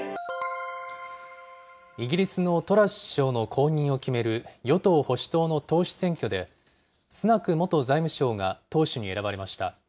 イギリスのトラス首相の後任を決める与党・保守党の党首選挙で、スナク元財務相が党首に選ばれました。